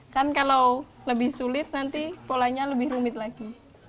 kan kalau lebih sulit nanti polanya lebih rumit lagi